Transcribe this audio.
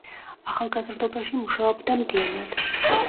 ახალგაზრდობაში მუშაობდა მდივნად.